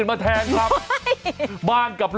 สวัสดีครับสวัสดีครับ